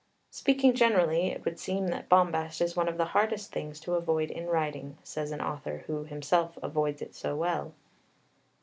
"Speaking generally, it would seem that bombast is one of the hardest things to avoid in writing," says an author who himself avoids it so well.